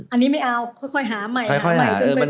อันนี้ไม่เอาค่อยหาใหม่